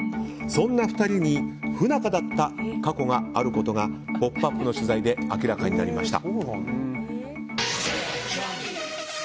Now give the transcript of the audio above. そんな２人に不仲だった過去があることが「ポップＵＰ！」の取材で明らかになりました。